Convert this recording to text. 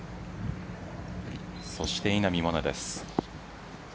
そして稲見萌寧です。